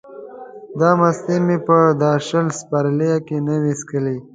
دا مستې مې په دا شل پسرلیه کې نه وې څښلې.